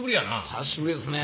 久しぶりですね